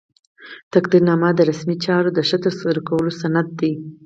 تقدیرنامه د رسمي چارو د ښه ترسره کولو سند دی.